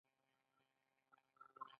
ته چې د نورو له غمه بې غمه یې.